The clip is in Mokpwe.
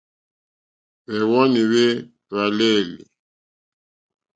Hwéwónì hwé hwàlêlì.